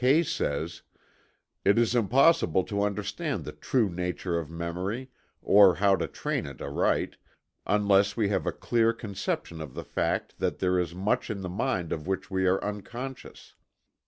Kay says: "It is impossible to understand the true nature of memory, or how to train it aright, unless we have a clear conception of the fact that there is much in the mind of which we are unconscious....